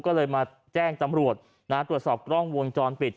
ก็เลยมาแจ้งตำรวจตรวจสอบกล้องวงจรปิด